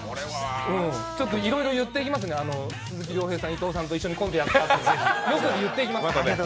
ちょっといろいろ言っていきますね、伊藤さんと一緒にコントやったって、よそに言っていきます。